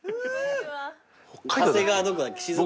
長谷川どこだっけ？